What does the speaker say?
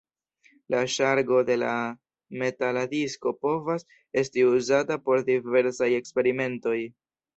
La ŝargo de la metala disko povas esti uzata por diversaj eksperimentoj.